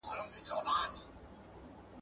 که مثال وي نو وضاحت نه پاتې کیږي.